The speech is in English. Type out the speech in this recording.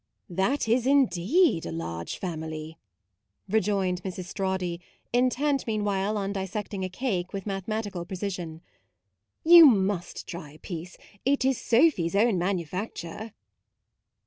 "That is indeed a large family," rejoined Mrs. Strawdy, intent mean MAUDE 57 while on dissecting a cake with mathematical precision. "You must try a piece; it is Sophy's own manu facture."